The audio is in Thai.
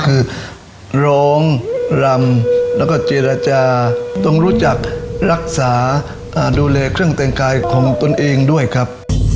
คือร้องรำแล้วก็เจรจาต้องรู้จักรักษาดูแลเครื่องแต่งกายของตนเองด้วยครับ